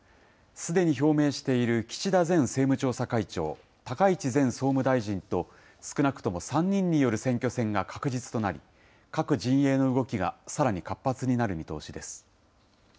すでに表明している岸田前政務調査会長、高市前総務大臣と、少なくとも３人による選挙戦が確実となり、各陣営の動きがさらに活発になる見通しです。